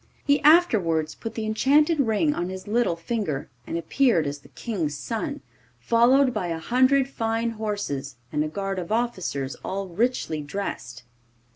He afterwards put the enchanted ring on his little finger, and appeared as the King's son, followed by a hundred fine horses, and a guard of officers all richly dressed.